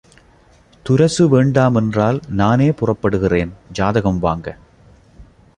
துரசு வேண்டாமென்றால் நானே புறப்படுகிறேன், ஜாதகம் வாங்க.